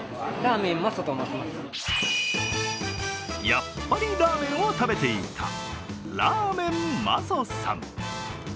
やっぱりラーメンを食べていたラーメンマソさん。